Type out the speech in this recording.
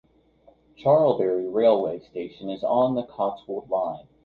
Charlbury railway station is on the Cotswold Line.